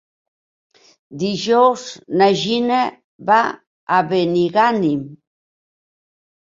Dijous na Gina va a Benigànim.